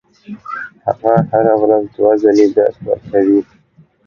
هغه هره ورځ دوه ځلې درس ورکوي.